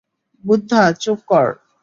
বুদ্ধা, চুপ কর!